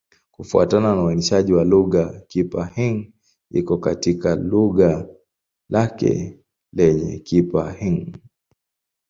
Kufuatana na uainishaji wa lugha, Kipa-Hng iko katika kundi lake lenyewe la Kipa-Hng.